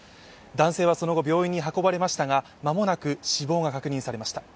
男性はその後病院に運ばれましたが間もなく、死亡が確認されました。